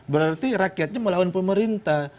berarti rakyatnya melawan pemerintah